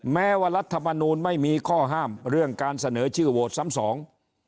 แม้ว่ารัฐมนูลไม่มีข้อห้ามเรื่องการเสนอชื่อโหวตซ้ำสอง